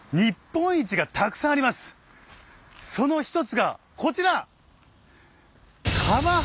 その一つがこちら。